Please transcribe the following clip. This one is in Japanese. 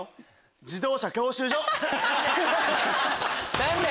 自動車教習所。